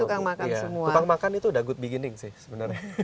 tukang makan itu udah good beginning sih sebenarnya